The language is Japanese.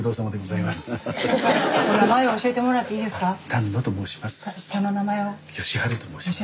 丹野と申します。